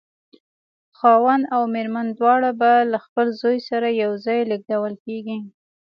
خاوند او مېرمن دواړه به له خپل زوی سره یو ځای لېږدول کېږي.